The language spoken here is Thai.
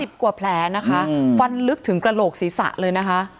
กว่าแผลนะคะฟันลึกถึงกระโหลกศีรษะเลยนะคะ